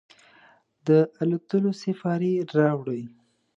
د الوتلوسیپارې راوړي